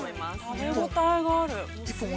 ◆食べ応えがある。